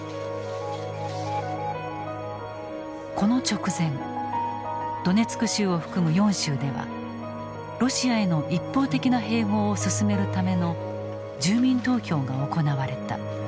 この直前ドネツク州を含む４州ではロシアへの一方的な併合を進めるための住民投票が行われた。